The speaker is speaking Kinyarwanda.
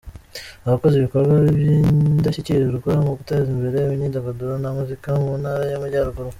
Abakoze ibikorwa by’indashyikirwa mu guteza imbere imyidagaduro na muzika mu Ntara y’Amajyaruguru:.